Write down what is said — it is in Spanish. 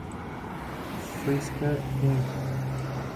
Fisker Inc.